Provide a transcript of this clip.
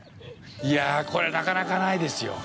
いや、これ、なかなかないですよ。